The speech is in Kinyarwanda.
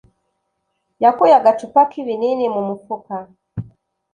yakuye agacupa k'ibinini mu mufuka.